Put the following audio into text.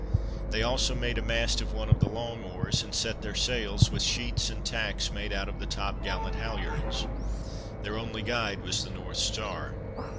They also made a mast of one of the long oars, and set their sails, with sheets and tacks made out of the top gallant halyards. Their only guide was the North star.